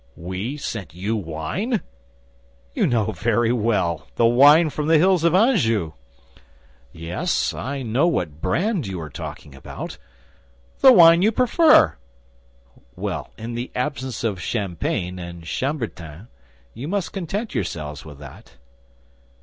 "We sent you wine?" "You know very well—the wine from the hills of Anjou." "Yes, I know what brand you are talking about." "The wine you prefer." "Well, in the absence of champagne and chambertin, you must content yourselves with that."